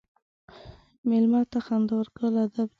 مېلمه ته خندا ورکول ادب دی.